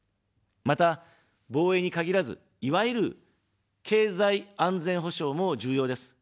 また、防衛に限らず、いわゆる経済安全保障も重要です。